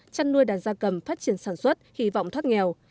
chăn nuôi đàn gia cầm phát triển sản xuất hy vọng thoát nghèo